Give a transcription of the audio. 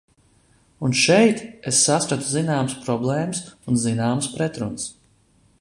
Un šeit es saskatu zināmas problēmas un zināmas pretrunas.